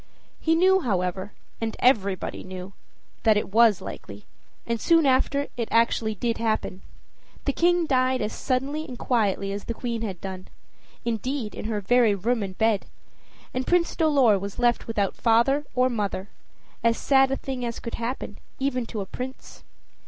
He knew, however, and everybody knew, that it was likely, and soon after it actually did happen. The King died as suddenly and quietly as the Queen had done indeed, in her very room and bed; and Prince Dolor was left without either father or mother as sad a thing as could happen, even to a prince.